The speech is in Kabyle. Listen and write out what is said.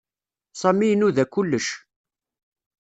Sami inuda kullec.